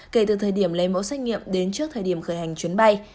kể từ thời điểm lấy mẫu xét nghiệm đến trước thời điểm khởi hành chuyến bay